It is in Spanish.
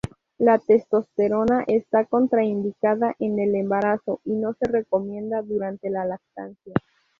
La testosterona está contraindicada en el embarazo y no se recomienda durante la lactancia.